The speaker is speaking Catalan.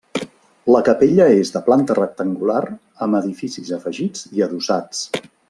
La capella és de planta rectangular amb edificis afegits i adossats.